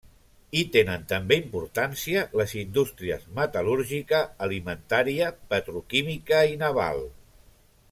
Hi tenen també importància les indústries metal·lúrgica, alimentària, petroquímica i naval.